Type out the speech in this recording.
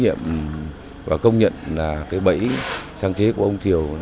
nhiệm và công nhận là cái bẫy sáng chế của ông thiều